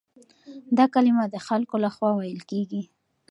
دا کلمه د خلکو له خوا ويل کېږي.